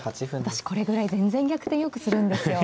私これぐらい全然逆転よくするんですよ。